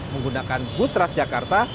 menggunakan busway jakarta